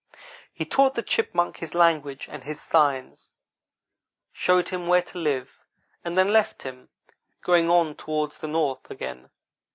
"He taught the Chipmunk his language and his signs, showed him where to live, and then left him, going on toward the north again.